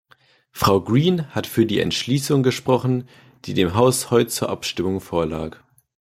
Frau Green hat für die Entschließung gesprochen, die dem Haus heute zur Abstimmung vorlag.